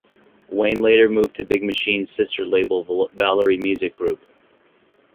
Wayne later moved to Big Machine's sister label, Valory Music Group.